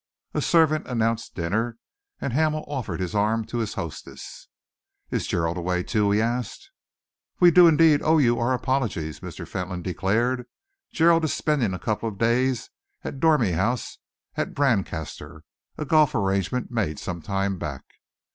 A servant announced dinner, and Hamel offered his arm to his hostess. "Is Gerald away, too?" he asked. "We do indeed owe you our apologies," Mr. Fentolin declared. "Gerald is spending a couple of days at the Dormy House at Brancaster a golf arrangement made some time back."